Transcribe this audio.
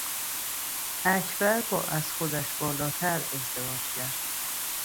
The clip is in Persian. اکبر با از خودش بالاتر ازدواج کرد.